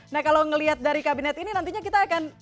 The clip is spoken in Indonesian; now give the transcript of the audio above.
nah kalau melihat dari kabinet ini nantinya kita akan